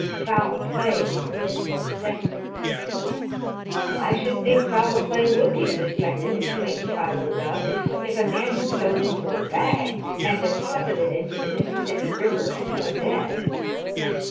Foul play is suspected. "I should think foul play would be suspected," exclaimed Philo Gubb, "if a man was sewed into a bag and deposited into the Mississippi River until dead."